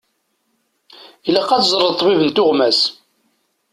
Ilaq ad teẓreḍ ṭṭbib n tuɣmas.